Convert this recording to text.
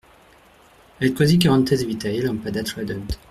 Et quasi currentes vitaï lampada tradunt.